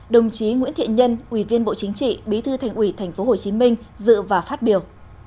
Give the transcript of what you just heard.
đồng chí nguyễn thị nhân ubnd bí thư thành ủy tp hcm dự và phát biểu